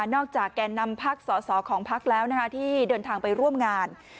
นอกจากแก่นำพักษ์สอของภัคษ์แล้วที่เดินทางไปร่วมงาน